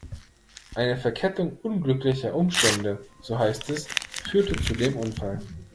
Eine Verkettung unglücklicher Umstände, so heißt es, führte zu dem Unfall.